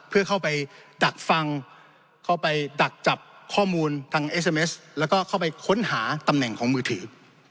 เพื่อเข้าไปดักฟังเข้าไปดักจับข้อมูลทางเอสเมสแล้วก็เข้าไปค้นหาตำแหน่งของมือถือ